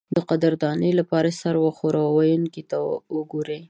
د قدردانۍ لپاره سر وښورئ او ویونکي ته وګورئ.